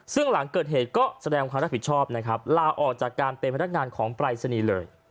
ซึ่งหลังเกิดเหตุก็แสดงมนตรภิชอบล่าออกจากการเป็นพนักงานของปรายศนีย์เลย